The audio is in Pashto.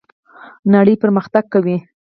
نړۍ پرمختګ کوي